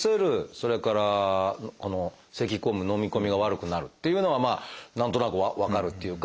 それから「せき込む」「のみ込みが悪くなる」っていうのはまあ何となく分かるっていうか